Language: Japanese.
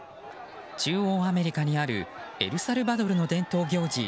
中央アメリカにあるエルサルバドルの伝統行事